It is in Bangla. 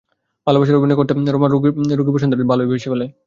ভালোবাসার অভিনয় করতে করতে রমা রোগী বসন্ত চৌধুরীকে ভালোই বেসে ফেলে।